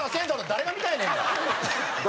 誰が見たいねん。